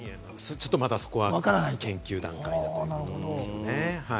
ちょっと、まだそこは研究段階ということですね。